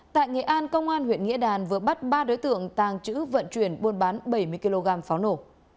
tại nghệ an công an huyện nghĩa đàn vừa bắt ba đối tượng tàng trữ vận chuyển buôn bán bảy mươi kg pháo nổ